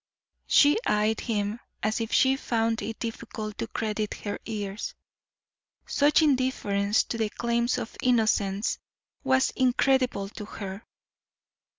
She eyed him as if she found it difficult to credit her ears. Such indifference to the claims of innocence was incredible to her.